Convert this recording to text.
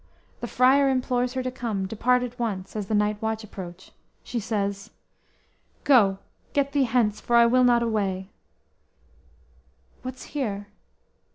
The Friar implores her to come, depart at once, as the night watch approach. She says: _"Go, get thee hence, for I will not away; What's here?